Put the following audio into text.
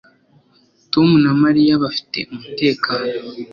tom na mariya bafite umutekano